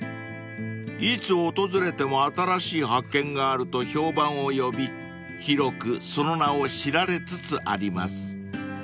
［いつ訪れても新しい発見があると評判を呼び広くその名を知られつつあります］